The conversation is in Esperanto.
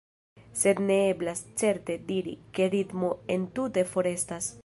Sed ne eblas, certe, diri, ke ritmo entute forestas.